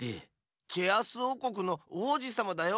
チェアースおうこくのおうじさまだよ！